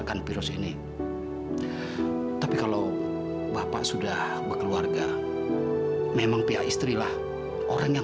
sampai jumpa di video selanjutnya